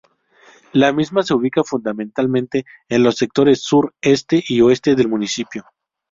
La misma se ubica fundamentalmente en los sectores Sur, Este, y Oeste del Municipio.